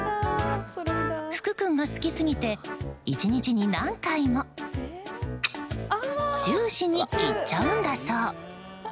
ふく君が好きすぎて１日に何回もチューしに行っちゃうんだそう。